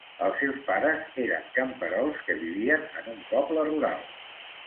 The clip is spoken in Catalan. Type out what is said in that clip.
Els seus pares eren camperols que vivien en un poble rural.